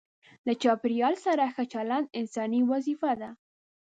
له چاپیریال سره ښه چلند انساني وظیفه ده.